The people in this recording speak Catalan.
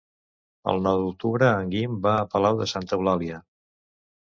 El nou d'octubre en Guim va a Palau de Santa Eulàlia.